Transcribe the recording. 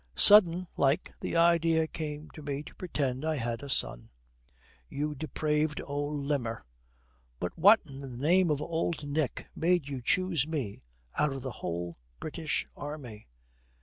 'Sudden like the idea came to me to pretend I had a son.' 'You depraved old limmer! But what in the name of Old Nick made you choose me out of the whole British Army?'